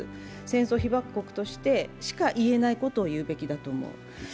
戦争被爆国としてしか言えないことを言うべきだと思う。